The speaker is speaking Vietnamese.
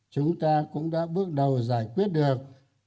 chúng ta cũng đã bước đầu giải quyết được